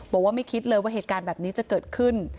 บอกว่าไม่คิดเลยว่าเหตุการณ์แบบนี้จะเกิดขึ้น